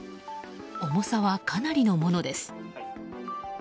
重さは、かなりのものです。